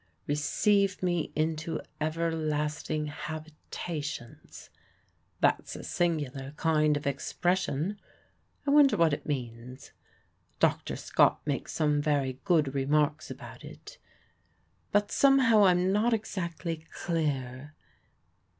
Receive me into everlasting habitations: that's a singular kind of expression. I wonder what it means. Dr. Scott makes some very good remarks about it but somehow I'm not exactly clear."